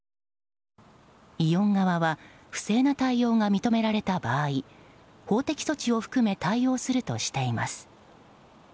イオン側は不正な対応が認められた場合法的措置を含め対応するとしています。